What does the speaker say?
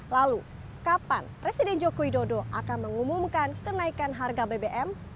lalu kapan presiden joko widodo akan mengumumkan kenaikan harga bbm